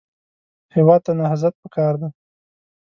هېواد ته نهضت پکار دی